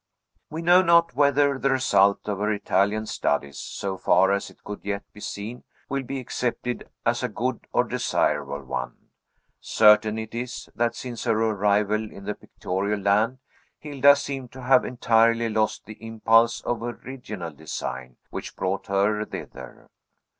We know not whether the result of her Italian studies, so far as it could yet be seen, will be accepted as a good or desirable one. Certain it is, that since her arrival in the pictorial land, Hilda seemed to have entirely lost the impulse of original design, which brought her thither.